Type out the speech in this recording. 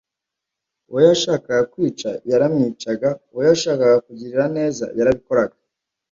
Uwo yashakaga kwica yaramwicaga uwo yashakaga kugirira neza yarabikoraga